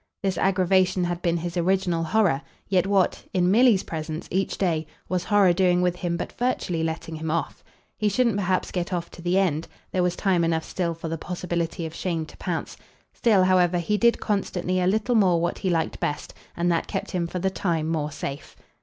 This aggravation had been his original horror; yet what in Milly's presence, each day was horror doing with him but virtually letting him off? He shouldn't perhaps get off to the end; there was time enough still for the possibility of shame to pounce. Still, however, he did constantly a little more what he liked best, and that kept him for the time more safe.